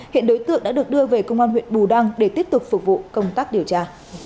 hiện đối tượng đã được đưa về công an huyện bù đăng để tiếp tục phục vụ công tác điều tra